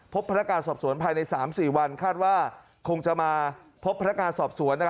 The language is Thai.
พนักการสอบสวนภายใน๓๔วันคาดว่าคงจะมาพบพนักงานสอบสวน